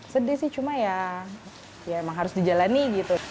sedih sih cuma ya ya emang harus dijalankan